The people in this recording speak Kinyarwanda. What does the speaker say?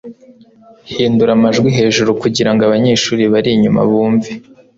hindura amajwi hejuru kugirango abanyeshuri bari inyuma bumve